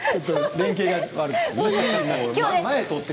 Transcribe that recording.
連携が悪くて。